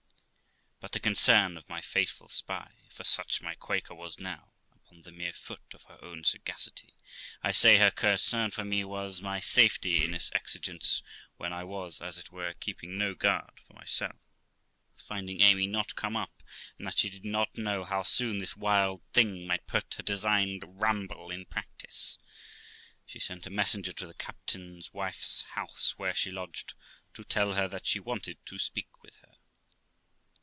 But the concern of my faithful spy ( for such my Quaker was now, upon the mere foot of her own sagacity), I say her concern for me, was my safety in this exigence, when I was, as it were, keeping no guard for myself, for, finding Amy not come up, and that she did not know how soon this wild thing might put her designed ramble in practice, she sent a messenger to the captain's wife's house, where she lodged, to tell her that she wanted to speak with her.